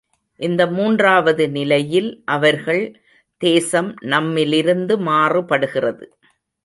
இந்த மூன்றாவது நிலையில் அவர்கள் தேசம் நம்மிலிருந்து மாறுபடுகிறது.